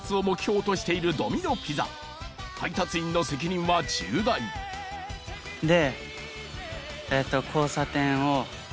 配達員の責任は重大で。